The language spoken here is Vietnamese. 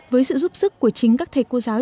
với sự giúp sức của chính các thầy cô giáo